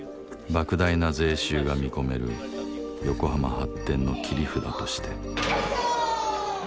莫大な税収が見込める横浜発展の切り札として